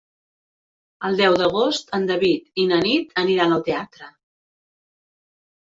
El deu d'agost en David i na Nit aniran al teatre.